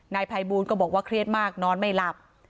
นายภัยบูลก็บอกว่าเครียดมากนอนไม่หลับ